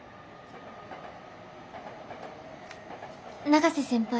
永瀬先輩